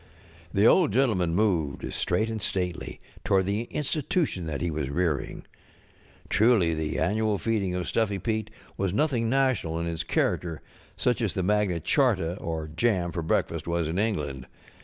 The Old Gentleman moved, straight and stately, toward the Institution that he was rearing. Truly, the annual feeling of Stuffy Pete was nothing national in its character, such as the Magna Charts or jam for breakfast was in England.